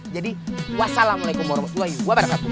jadi wassalamualaikum warahmatullahi wabarakatuh